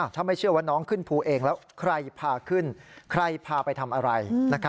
ถ้าไม่เชื่อว่าน้องขึ้นภูเองแล้วใครพาขึ้นใครพาไปทำอะไร